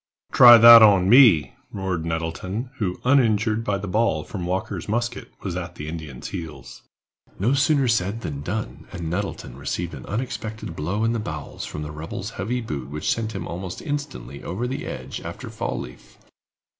"Try that on me," roared Nettleton, who, uninjured by the ball from Walker's musket, was at the Indian's heels. No sooner said than done, and Nettleton received an unexpected blow in the bowels from the rebel's heavy boot which sent him almost instantly over the ledge after Fall leaf.